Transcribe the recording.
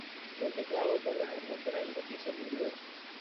Los teclados otorgan atmósferas y matices muy diversos.